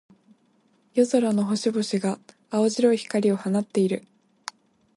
夜空の星々が、青白い光を放っている。